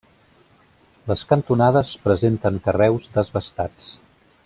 Les cantonades presenten carreus desbastats.